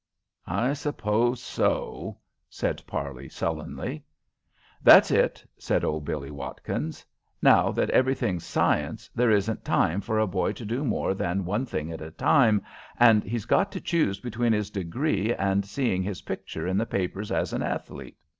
"I suppose so," said Parley, sullenly. "That's it," said old Billie Watkins. "Now that everything's science, there isn't time for a boy to do more than one thing at a time, and he's got to choose between his degree and seeing his picture in the papers as an athlete.